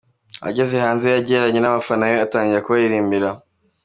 Ageze hanze yegeranya abafana be atangira kubaririmbira.